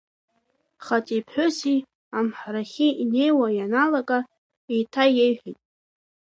Хаҵеи ԥҳәыси амҳарахьы инеиуа ианалага, еиҭаиеиҳәет…